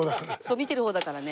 見てる方だから。